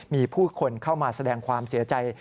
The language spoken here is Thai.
มีผู้คนเข้ามาแสดงความเสียใจ